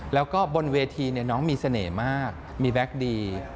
แล้วก็บนเวทีน้องมีเสน่ห์มากมีแบ็คดี